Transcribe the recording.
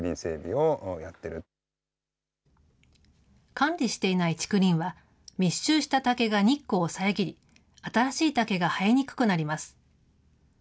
管理していない竹林は、密集した竹が日光を遮り、新しい竹が生えにくくなります。